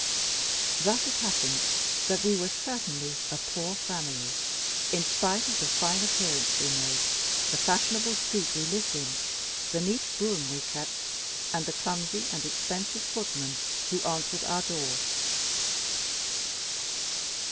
Thus it happened that we were certainly a poor family, in spite of the fine appearance we made, the fashionable street we lived in, the neat brougham we kept, and the clumsy and expensive footman who answered our door.